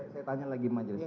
saya tanya lagi majelis